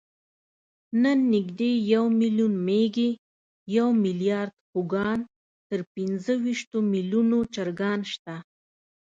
نن نږدې یو میلیون مېږې، یو میلیارد خوګان، تر پینځهویشتو میلیونو چرګان شته.